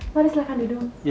lagi silahkan duduk